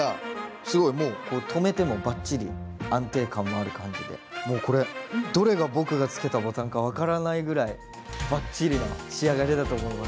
すごいもう留めてもばっちり安定感もある感じでもうこれどれが僕がつけたボタンか分からないぐらいバッチリな仕上がりだと思います。